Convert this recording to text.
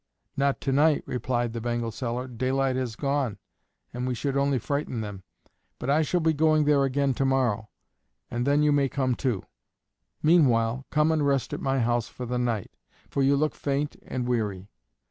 "Not to night," replied the bangle seller; "daylight has gone, and we should only frighten them; but I shall be going there again to morrow, and then you may come too. Meanwhile, come and rest at my house for the night, for you look faint and weary."